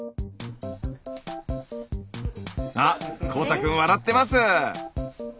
あっ幸大くん笑ってます。